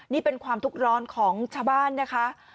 นี่เป็นความทุกข์ร้อนของชาวบ้านนะคะ